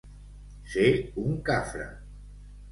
Ser un cafre.